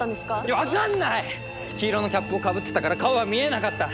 黄色のキャップをかぶってたから顔は見えなかった。